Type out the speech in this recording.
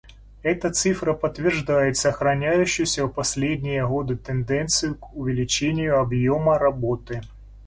Эта цифра подтверждает сохраняющуюся в последние годы тенденцию к увеличению объема работы.